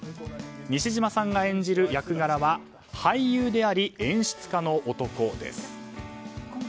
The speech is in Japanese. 西島さんが演じる役柄は俳優であり演出家の男です。